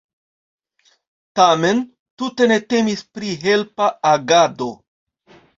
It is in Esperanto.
Tamen tute ne temis pri helpa agado.